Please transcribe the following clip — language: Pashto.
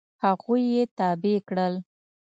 هغوی یې تابع کړل.